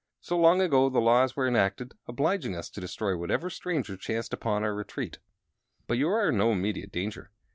So, long ago, the laws were enacted obliging us to destroy whatever strangers chanced upon our retreat. But you are in no immediate danger.